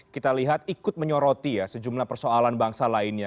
kita lihat ikut menyoroti ya sejumlah persoalan bangsa lainnya